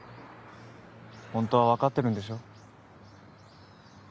ほんとは分かってるんでしょ？